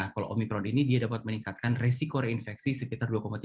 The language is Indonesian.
kalau omikron ini dia dapat meningkatkan resiko reinfeksi sekitar dua tiga